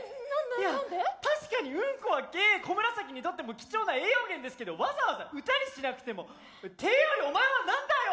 いや確かにうんこはコムラサキにとっても貴重な栄養源ですけどわざわざ歌にしなくても。っていうよりお前は何だよ！